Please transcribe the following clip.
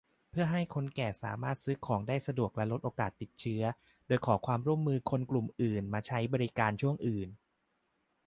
เพื่อให้คนแก่สามารถซื้อของได้สะดวกและลดโอกาสติดเชื้อ โดยขอความร่วมมือคนกลุ่มอื่นมาใช้บริการช่วงอื่น